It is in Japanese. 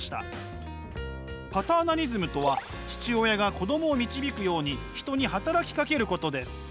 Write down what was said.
パターナリズムとは父親が子供を導くように人に働きかけることです。